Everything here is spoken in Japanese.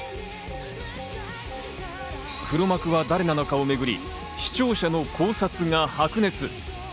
黒幕が誰なのかをめぐり視聴者の考察が白熱。